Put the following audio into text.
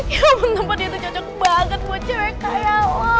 ya ampun tempat ini tuh cocok banget buat cewek kaya